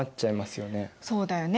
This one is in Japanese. そうだよね。